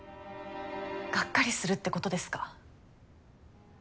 がっかりするってことですか？